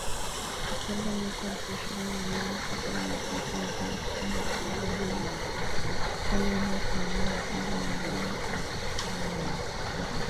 Takriban watu elfu ishirini na nane hufa kila mwaka nchini Uganda kutokana na uchafuzi wa hali ya hewa kulingana na kundi la Muungano wa Kimataifa wa Afya na Uchafuzi